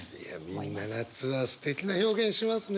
みんな夏はすてきな表現しますね。